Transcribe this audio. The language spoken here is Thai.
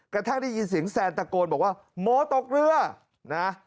กระทั่งได้ยินเสียงแซนตะโกนบอกว่าโมตกเรือนะ